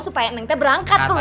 supaya neng teh berangkat loh